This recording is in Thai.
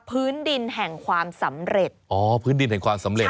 พื้นดินแห่งความสำเร็จอ๋อพื้นดินแห่งความสำเร็จ